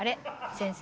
先生